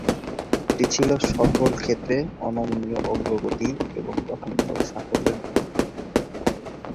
এটি ছিল সকল ক্ষেত্রে অনমনীয় অগ্রগতি এবং গঠনমূলক সাফল্যের যুগ।